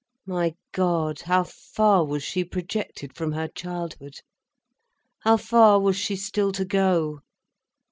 My God, how far was she projected from her childhood, how far was she still to go!